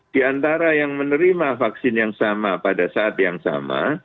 di antara yang menerima vaksin yang sama pada saat yang sama